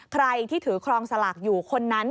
ใครที่ถือครองสลากอยู่คนนั้น